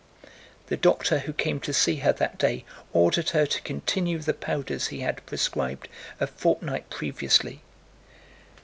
The doctor who came to see her that day ordered her to continue the powders he had prescribed a fortnight previously.